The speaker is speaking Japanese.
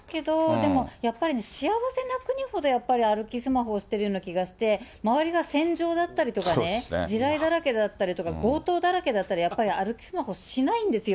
でも、やっぱり幸せな国ほど歩きスマホをしてるような気がして、周りが戦場だったりとかね、地雷だらけだったりとか、強盗だらけだったら、やっぱり歩きスマホしないんですよ。